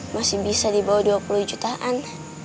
masih bisa di bawah dua puluh jutaan